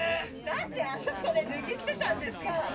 何であそこで脱ぎ捨てたんですか